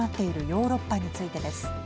ヨーロッパについてです。